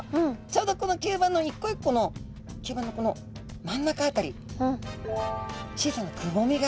ちょうどこの吸盤の一個一個の吸盤のこの真ん中辺り小さなくぼみがあります。